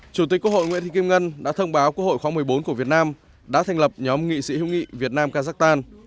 chủ tịch quốc hội nguyễn thị kim ngân đã thông báo quốc hội khóa một mươi bốn của việt nam đã thành lập nhóm nghị sĩ hữu nghị việt nam kazakhstan